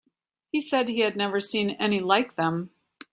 He said he had never seen any like them.